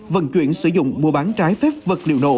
vận chuyển sử dụng mua bán trái phép vật liệu nổ